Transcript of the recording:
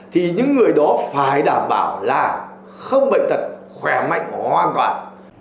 thì những người đó phải đảm bảo là không bệnh tật khỏe mạnh hoàn toàn